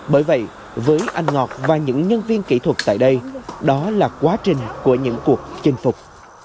bởi vậy với anh ngọt và những nhân viên kỹ thuật tại đây đó là quá trình của những cuộc chinh phục